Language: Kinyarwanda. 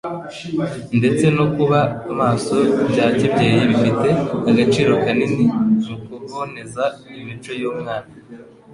ndetse no kuba maso bya kibyeyi bifite agaciro kanini mu kuboneza imico y'Umwana.